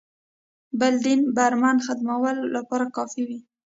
بل دین برم ختمولو لپاره کافي وي.